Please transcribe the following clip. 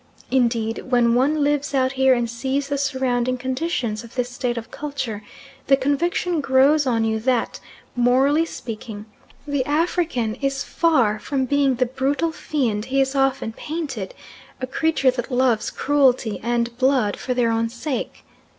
Indeed, when one lives out here and sees the surrounding conditions of this state of culture, the conviction grows on you that, morally speaking, the African is far from being the brutal fiend he is often painted, a creature that loves cruelty and blood for their own sake.